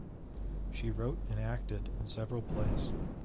She wrote and acted in several plays.